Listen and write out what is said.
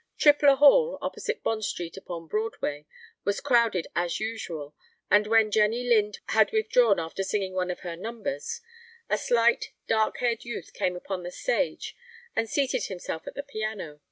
Tripler Hall, opposite Bond Street upon Broadway, was crowded as usual, and when Jenny Lind had withdrawn after singing one of her "numbers," a slight, dark haired youth came upon the stage and seated himself at the piano.